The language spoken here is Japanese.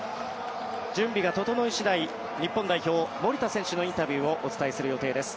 準備が整い次第日本代表、守田選手のインタビューをお伝えする予定です。